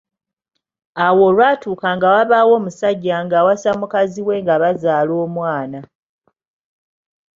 Awo olwatuuka nga wabaawo omusajja ng’awasa mukazi we nga bazaala omwana.